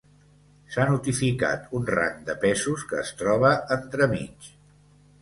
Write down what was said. S'ha notificat un rang de pesos que es troba entremig.